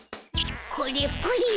これプリン